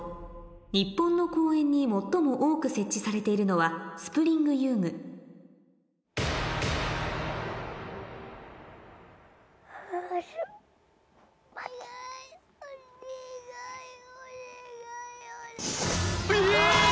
日本の公園に最も多く設置されているのはスプリング遊具え！